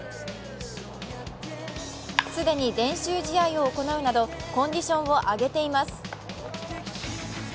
既に練習試合を行うなど、コンディションを上げています。